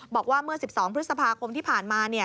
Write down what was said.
บอกว่าเมื่อ๑๒พฤษภาคมที่ผ่านมา